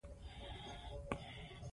مالیه